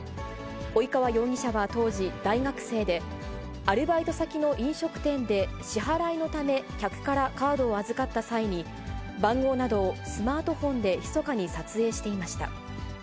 及川容疑者は当時、大学生で、アルバイト先の飲食店で、支払いのため、客からカードを預かった際に、番号などをスマートフォンでひそかに撮影していました。